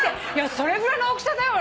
それぐらいの大きさだよあれ。